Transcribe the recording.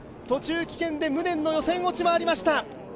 途中棄権で無念の予選落ちもありました。